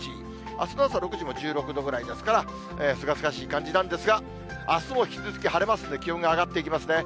あすの朝６時も１６度ぐらいですから、すがすがしい感じなんですが、あすも引き続き晴れますんで、気温が上がっていきますね。